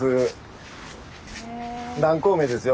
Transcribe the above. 南高梅ですよ